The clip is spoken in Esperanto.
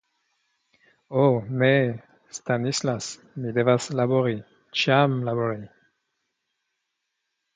Ho ne, Stanislas, mi devas labori, ĉiam labori.